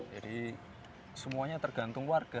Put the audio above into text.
jadi semuanya tergantung warga